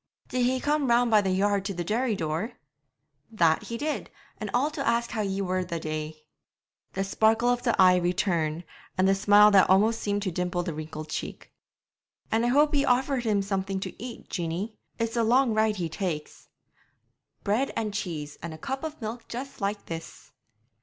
'Did he come round by the yard to the dairy door?' 'That he did; and all to ask how ye were the day.' The sparkle of the eye returned, and the smile that almost seemed to dimple the wrinkled cheek. 'And I hope ye offered him something to eat, Jeanie; it's a long ride he takes.' 'Bread and cheese, and a cup of milk just like this.'